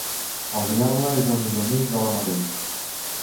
El diable és el millor amic de l'home ric.